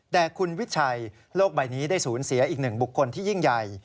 แต่คุณวิชัยโลกใบนี้ได้สูญเสียอีกหนึ่งบุคคลที่ยิ่งใหญ่